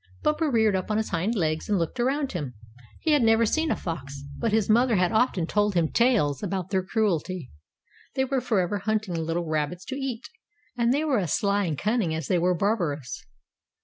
Bumper reared up on his hind legs and looked around him. He had never seen a fox, but his mother had often told him tales about their cruelty. They were forever hunting little rabbits to eat, and they were as sly and cunning as they were barbarous.